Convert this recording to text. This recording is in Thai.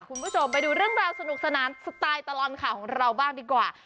คุณผู้ชมไปดูเรื่องราวสนุกสนานสไตล์ตลอดข่าวของเราบ้างดีกว่า